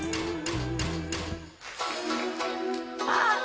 あっ！